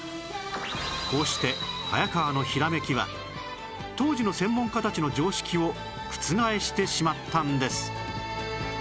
こうして早川のひらめきは当時の専門家たちの常識を覆してしまったんです